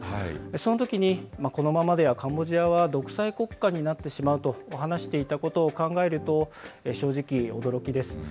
そのときに、このままではカンボジアは独裁国家になってしまうと話していたことを考えると、正直、驚きです。